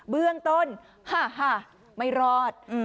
เบื้องต้นไม่รอด